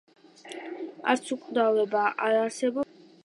არც უკვდავება არ არსებობს უსიყვარულოდ.